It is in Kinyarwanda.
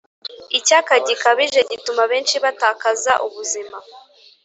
icyaka gikabije gituma benshi batakaza ubuzima.